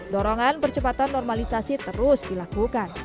dorongan percepatan normalisasi terus dilakukan